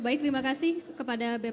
baik terima kasih kepada bpn